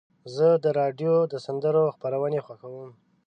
زه د راډیو د سندرو خپرونې خوښوم.